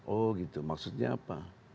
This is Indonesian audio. oh gitu maksudnya apa